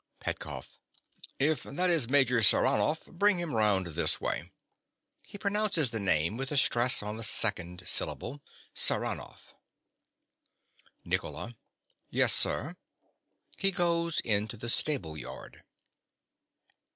PETKOFF. If that is Major Saranoff, bring him round this way. (He pronounces the name with the stress on the second syllable—Sarah noff.) NICOLA. Yes, sir. (_He goes into the stable yard.